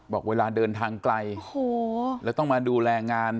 บอกเวลาเดินทางไกลแล้วต้องมาดูแลงาน